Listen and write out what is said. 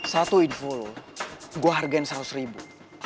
satu info lo gue hargain seratus ribu